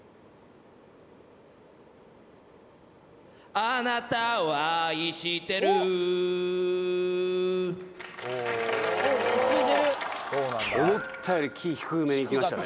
あなたを愛してる思ったよりキー低めにいきましたね